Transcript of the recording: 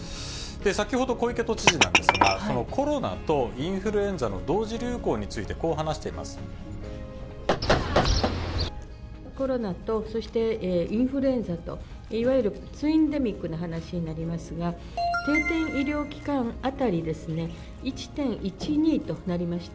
先ほど、小池都知事なんですが、このコロナとインフルエンザの同時流行について、こう話していまコロナとそしてインフルエンザと、いわゆるツインデミックの話になりますが、定点医療機関当たりですね、１．１２となりました。